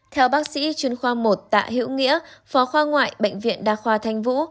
theo bác sĩ chuyên khoa một tạ hữu nghĩa phó khoa ngoại bệnh viện đa khoa thanh vũ